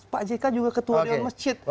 pak jk juga ketua dewan masjid